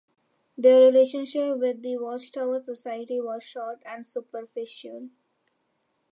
Their relationship with the Watch Tower Society was short and superficial.